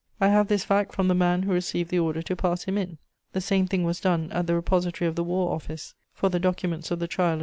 I have this fact from the man who received the order to pass him in. The same thing was done at the repository of the War Office for the documents of the trial of M.